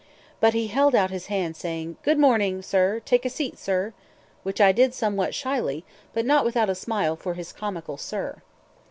But he held out his hand, saying, "Good morning, sir! Take a seat, sir!" which I did somewhat shyly, but not without a smile for his comical "sir."